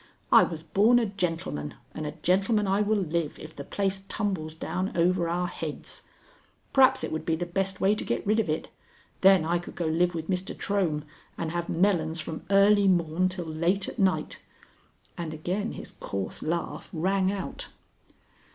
I was born a gentleman, and a gentleman I will live if the place tumbles down over our heads. Perhaps it would be the best way to get rid of it. Then I could go live with Mr. Trohm, and have melons from early morn till late at night." And again his coarse laugh rang out.